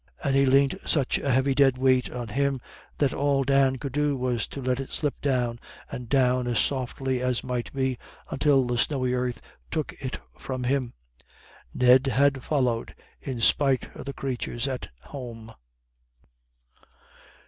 And he leant such a heavy dead weight on him that all Dan could do was to let it slip down and down as softly as might be, until the snowy earth took it from him. Ned had followed in spite of the crathurs at home.